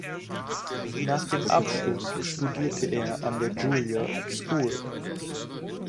Nach dem Abschluss studierte er an der Juilliard School.